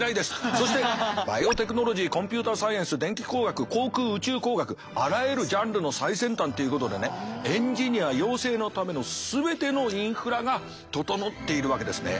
そしてバイオテクノロジーコンピューターサイエンス電気工学航空宇宙工学あらゆるジャンルの最先端ということでねエンジニア養成のための全てのインフラが整っているわけですね。